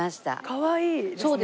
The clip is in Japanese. かわいいですね。